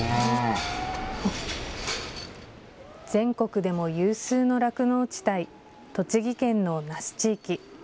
全国でも有数の酪農地帯、栃木県の那須地域。